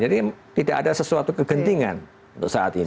jadi tidak ada sesuatu kegentingan untuk saat ini